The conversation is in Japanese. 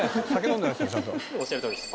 おっしゃるとおりです。